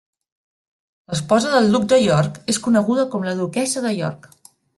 L'esposa del Duc de York és coneguda com la Duquessa de York.